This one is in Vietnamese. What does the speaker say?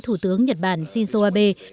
thủ tướng nhật bản shinzo abe